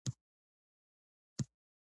خاکسار اوسئ